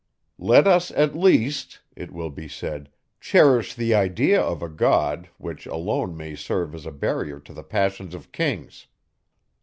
"Let us, at least," it will be said, "cherish the idea of a God, which alone may serve as a barrier to the passions of kings."